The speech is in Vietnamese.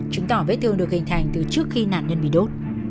chứng tỏ vết thương được hình thành từ trước khi nạn nhân bị đốt